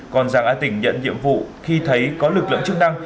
còn giàng a tỉnh nhận nhiệm vụ khi thấy có lực lượng chức năng